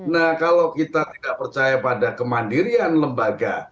nah kalau kita tidak percaya pada kemandirian lembaga